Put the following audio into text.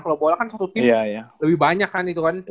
kalau bola kan satu tim lebih banyak kan itu kan